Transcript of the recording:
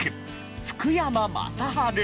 福山雅治。